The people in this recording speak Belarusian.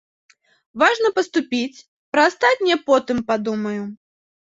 Важна паступіць, пра астатняе потым падумаю.